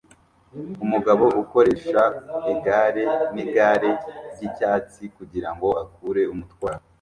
Umugabo ukoresha igare nigare ryicyatsi kugirango akure umutwaro